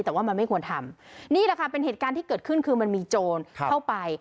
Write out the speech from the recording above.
แต่ว่ามันไม่ควรทำนี่แหละค่ะเป็นเหตุการณ์ที่เกิดขึ้นคือมันมีโจรเข้าไป